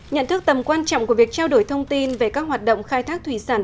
nhận thức tầm quan trọng của việc trao đổi thông tin về các hoạt động khai thác thủy sản